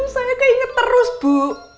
saya keinget terus bu